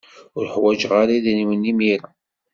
Ur ḥwajeɣ ara idrimen imir-a.